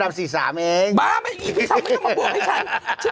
บ้าไม่มีฉันไม่ต้องมาบวกให้ฉัน